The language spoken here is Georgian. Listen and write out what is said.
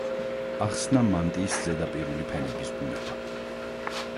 ახსნა მანტიის ზედაპირული ფენების ბუნება.